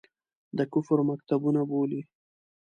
د کفر مکتبونه بولي.